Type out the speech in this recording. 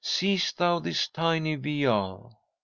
"'"Seest thou this tiny vial?